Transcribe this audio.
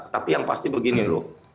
tapi yang pasti begini loh